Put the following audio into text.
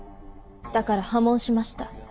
だから破門しました。